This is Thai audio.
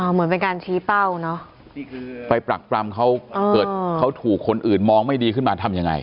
เหมือนเป็นการชี้เป้าเนอะไปปรักปรำเขาเกิดเขาถูกคนอื่นมองไม่ดีขึ้นมาทำยังไง